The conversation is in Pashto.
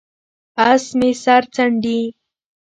اس مې سر څنډي،